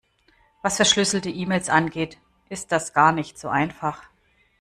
Was verschlüsselte E-Mails angeht, ist das gar nicht so einfach.